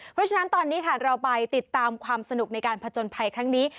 เพราะฉะนั้นตอนนี้ค่ะเราไปติดตามความสนุกในการผจญภัยครั้งนี้